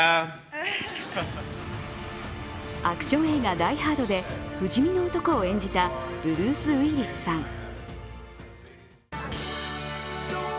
アクション映画「ダイ・ハード」で不死身の男を演じたブルース・ウィリスさん。